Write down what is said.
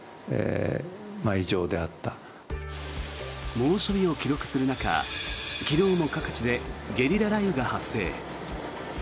猛暑日を記録する中昨日も各地でゲリラ雷雨が発生。